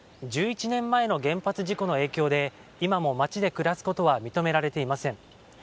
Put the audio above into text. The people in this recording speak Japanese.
１１年前の原発事故の影響で今も町で暮らすことは認められていません。